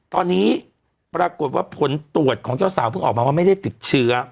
ตอนนี้ปรากฏว่าผลตรวจของเจ้าสาวเพิ่งออกมาว่าไม่ได้ติดเชื้อ